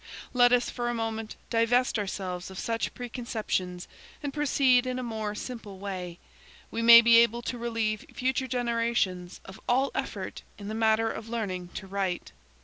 Let us, for a moment, divest ourselves of such preconceptions and proceed in a more simple way. We may be able to relieve future generations of all effort in the matter of learning to write.